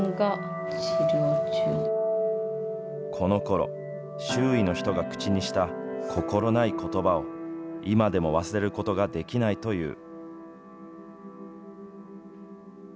このころ、周囲の人が口にした心ないことばを、今でも忘れることができないという。